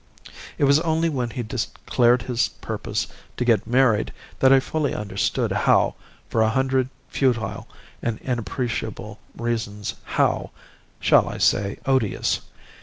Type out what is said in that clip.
"It was only when he declared his purpose to get married that I fully understood how, for a hundred futile and inappreciable reasons, how shall I say odious?